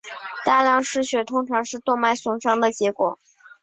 大量失血通常是动脉损伤的结果。